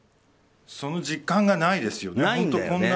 その実感がないですよね。